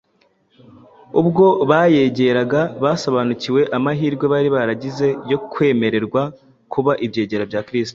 ubwo bayegeraga basobanukiwe amahirwe bari baragize yo kwemererwa kuba ibyegera bya Kristo.